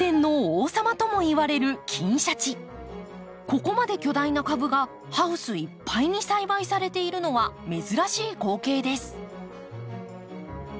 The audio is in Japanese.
ここまで巨大な株がハウスいっぱいに栽培されているのは珍しい光景です。